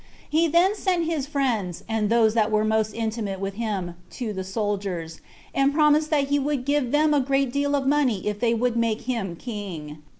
He then sent his friends, and those that were most intimate with him, to the soldiers, and promised that he would give them a great deal of money if they would make him king.